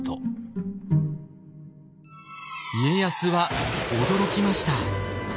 家康は驚きました。